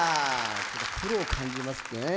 プロを感じますね。